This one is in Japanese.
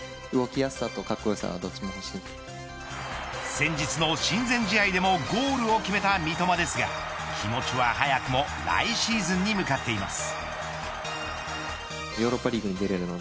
先日の親善試合でもゴールを決めた三笘ですが気持ちは早くも来シーズンに向かっています。